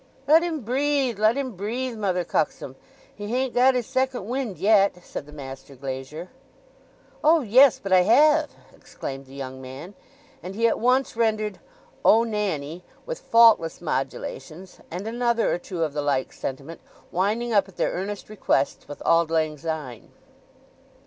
"Let him breathe—let him breathe, Mother Cuxsom. He hain't got his second wind yet," said the master glazier. "Oh yes, but I have!" exclaimed the young man; and he at once rendered "O Nannie" with faultless modulations, and another or two of the like sentiment, winding up at their earnest request with "Auld Lang Syne."